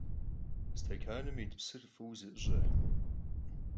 Stekanım yit psır f'ıue ze'ış'e.